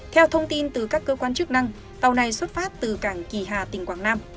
theo thông tin từ các cơ quan chức năng tàu này xuất phát từ cảng kỳ hà tỉnh quảng nam